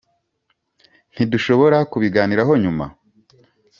ntidushobora kubiganiraho nyuma?